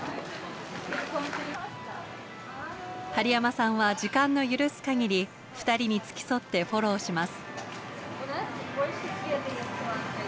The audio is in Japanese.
針山さんは時間の許す限り二人に付き添ってフォローします。